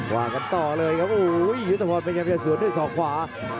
ว่ากันต่อเลยครับโอ้โหยุตภพมันยังพยายามจะสวนด้วย๒ขวา